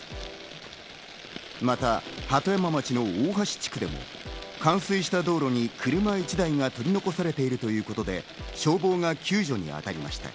また鳩山町の大橋地区も冠水した道路に車１台が取り残されているということで、消防が救助に当たりました。